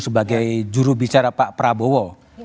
sebagai jurubicara pak prabowo